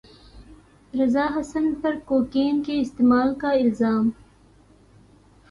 رضا حسن پر کوکین کے استعمال کا الزام